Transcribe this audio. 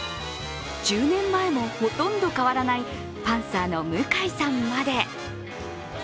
１０年前もほとんど変わらないパンサーの向井さんまで。